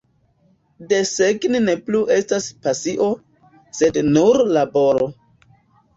Desegni ne plu estas pasio, sed nur laboro.